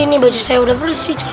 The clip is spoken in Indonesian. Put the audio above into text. ini baju saya udah bersih